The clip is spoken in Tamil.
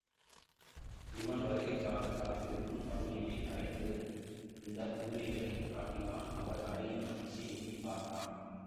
இவன் வருகைக்காகக் காத்திருக்கும் பதுமையை அடைந்து இந்தப் புதுமைகளைக் காட்டினால் அவள் அடையும் மகிழ்ச்சியை எண்ணிப் பார்த்தான்.